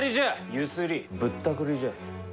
ゆすりぶったくりじゃ。